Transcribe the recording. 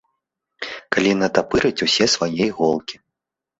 Калі натапырыць усе свае іголкі.